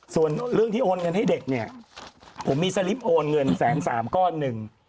ส่วนเรื่องที่โอนเงินให้เด็กเนี่ยผมมีสลิปโอนเงินแสนสามก้อนหนึ่ง